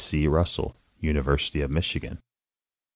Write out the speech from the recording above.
C. Russell, University of Michigan.